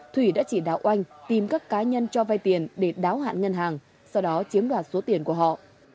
thủy đã chỉ đạo oanh tìm các cá nhân cho vai tiền để đáo hạn ngân hàng sau đó chiếm đoạt số tiền của họ